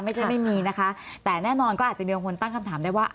ไม่มีนะคะแต่แน่นอนก็อาจจะมีคนตั้งคำถามได้ว่า